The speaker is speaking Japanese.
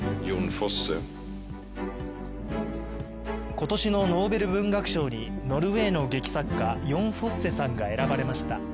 今年のノーベル文学賞にノルウェーの劇作家ヨン・フォッセさんが選ばれました。